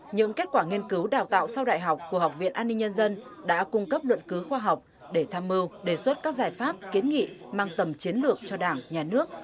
những kết quả nghiên cứu đào tạo sau đại học của học viện an ninh nhân dân đã cung cấp luận cứu khoa học để tham mưu đề xuất các giải pháp kiến nghị mang tầm chiến lược cho đảng nhà nước